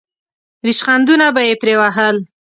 ریشخندونه به یې پرې وهل.